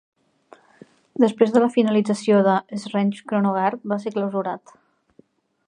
Després de la finalització de Esrange Kronogard va ser clausurat.